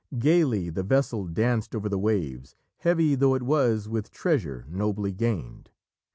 Gaily the vessel danced over the waves, heavy though it was with treasure, nobly gained.